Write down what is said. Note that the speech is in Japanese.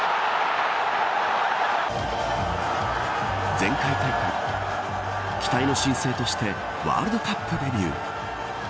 前回大会期待の新星としてワールドカップデビュー。